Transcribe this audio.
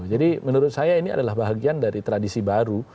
jadi menurut saya ini adalah bahagian dari tradisi baru